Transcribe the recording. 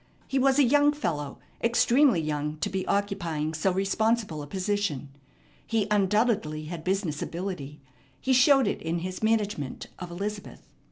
He was a young fellow, extremely young to be occupying so responsible a position. He undoubtedly had business ability. He showed it in his management of Elizabeth.